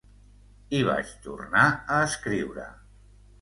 I vaig tornar a escriure.